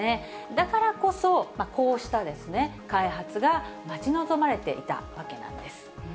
だからこそ、こうした開発が待ち望まれていたわけなんです。